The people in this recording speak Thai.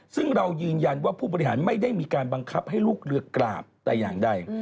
ซึ่งเรายืนยันว่าผู้บริหารไม่ได้มีการบังคับให้ลูกเรือกราบแต่อย่างใด